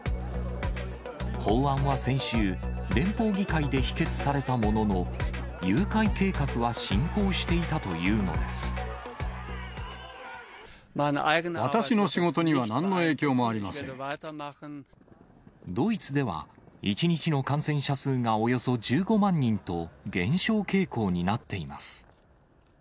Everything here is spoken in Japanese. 法案は先週、連邦議会で否決されたものの、誘拐計画は進行していたというの私の仕事にはなんの影響もあドイツでは、１日の感染者数がおよそ１５万人と、減少傾向になっています。